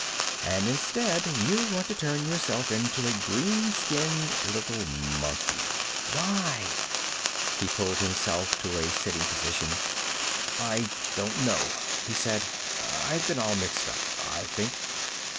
And instead you want to turn yourself into a green skinned little monkey! Why?" He pulled himself to a sitting position. "I don't know," he said. "I've been all mixed up, I think."